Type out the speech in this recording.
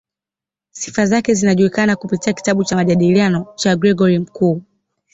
Sifa zake zinajulikana kupitia kitabu cha "Majadiliano" cha Gregori Mkuu.